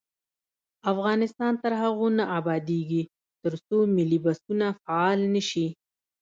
افغانستان تر هغو نه ابادیږي، ترڅو ملي بسونه فعال نشي.